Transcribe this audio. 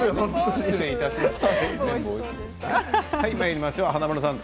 失礼いたしました。